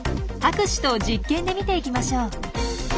博士と実験で見ていきましょう。